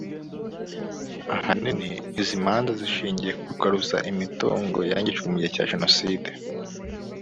Ahanini izi manzazishingiye ku kugaruza imitungo yangijwe mu gihe cya Jneoside